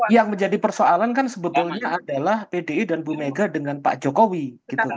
yang menjadi persoalan kan sebetulnya adalah pdi dan bu mega dengan pak jokowi gitu